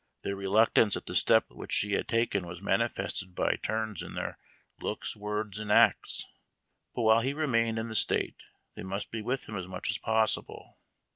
Their reluctance at the step which he had taken was manifested by turns n th lri:oks, words, and acts. But while he ™ d '" ^e State they must be with him as much as poss.ble.